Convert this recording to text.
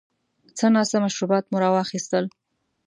څه ناڅه مشروبات مو را واخیستل.